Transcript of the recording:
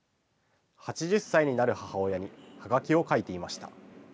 ８０歳になる母親にはがきを書いていました。